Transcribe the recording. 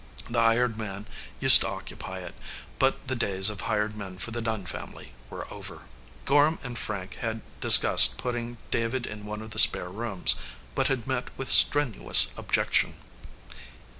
The hired man used to occupy it ; but the days of hired men for the Dunn family were over. Gorham and Frank had discussed putting David in one of the spare rooms, but had met with stren uous objection.